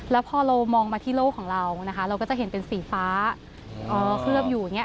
แล้วพอเรามองมาที่โลกของเรานะคะเราก็จะเห็นเป็นสีฟ้าเคลือบอยู่อย่างนี้